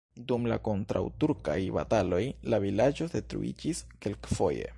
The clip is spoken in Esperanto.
Dum la kontraŭturkaj bataloj la vilaĝo detruiĝis kelkfoje.